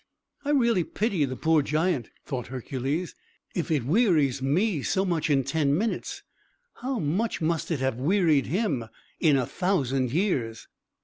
"I really pity the poor giant," thought Hercules. "If it wearies me so much in ten minutes, how must it have wearied him in a thousand years!"